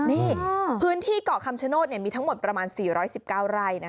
นี่พื้นที่เกาะคำชโนธมีทั้งหมดประมาณ๔๑๙ไร่